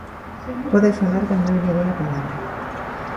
Pode falar cando eu lle dea a palabra.